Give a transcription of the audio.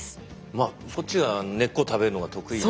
まあそっちが根っこ食べるのが得意な。